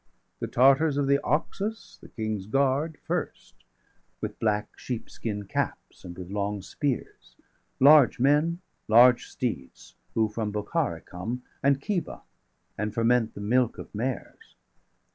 The Tartars of the Oxus, the King's guard, First, with black sheep skin caps and with long spears; Large men, large steeds; who from Bokhara° come °119 And Khiva,° and ferment the milk of mares.